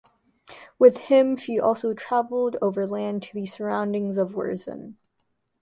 With him she also travelled overland to the surroundings of Wurzen.